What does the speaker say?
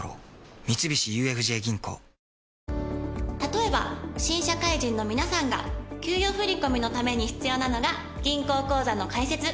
例えば新社会人の皆さんが給与振込のために必要なのが銀行口座の開設。